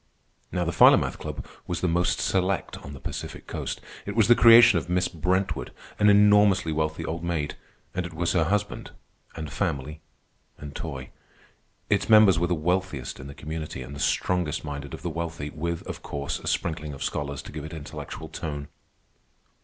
Now the Philomath Club was the most select on the Pacific Coast. It was the creation of Miss Brentwood, an enormously wealthy old maid; and it was her husband, and family, and toy. Its members were the wealthiest in the community, and the strongest minded of the wealthy, with, of course, a sprinkling of scholars to give it intellectual tone.